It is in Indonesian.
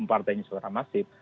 partainya secara masif